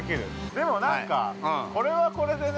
◆でもなんか、これはこれでね。